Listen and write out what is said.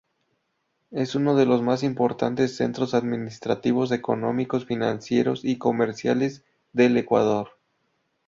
Es uno de los más importantes centros administrativos, económicos, financieros y comerciales del Ecuador.